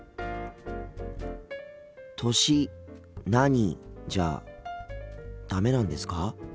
「歳何？」じゃダメなんですか？